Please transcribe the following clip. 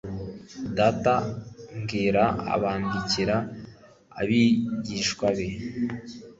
data mbwira bandikira abigishwabe